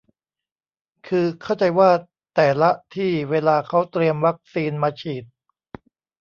คือเข้าใจว่าแต่ละที่เวลาเค้าเตรียมวัคซีนมาฉีด